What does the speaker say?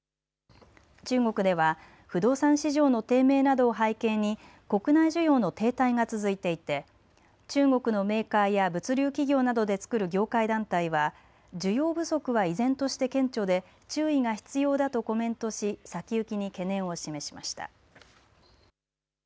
中国では不動産市場の低迷などを背景に国内需要の停滞が続いていて中国のメーカーや物流企業などで作る業界団体は需要不足は依然として顕著で注意が必要だとコメントし先行きに懸念を示しました。